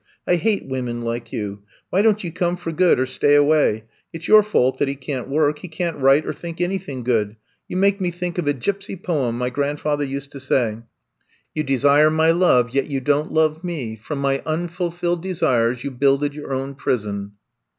I hate women like you! Why don't you come for good or stay away? It 's your fault that he can't work. He can't write or think anything good. You make me think of a gypsy poem my grandfather used to say: 128 I'VE COMB TO STAY You desire my love, yet you don't love me: From my mifulfilled desires you builded your own prison."